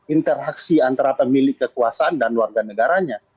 interaksi antara pemilik kekuasaan dan warga negaranya